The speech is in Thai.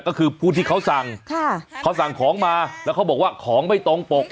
ก็คือผู้ที่เขาสั่งค่ะเขาสั่งของมาแล้วเขาบอกว่าของไม่ตรงปก